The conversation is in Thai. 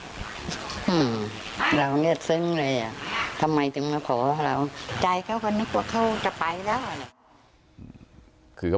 หื้มเราเงียดซึ้งเลยอ่ะทำไมจึงมาขอเรา